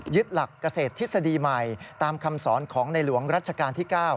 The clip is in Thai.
หลักเกษตรทฤษฎีใหม่ตามคำสอนของในหลวงรัชกาลที่๙